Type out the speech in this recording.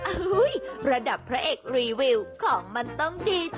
ระดับพระเอกรีวิวของมันต้องดีใจ